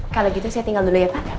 kalau gitu saya tinggal dulu ya pak